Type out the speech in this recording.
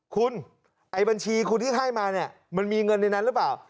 คุณไอ้บัญชีคุณที่ให้มาเนี่ยมันมีเงินในนั้นหรือเปล่า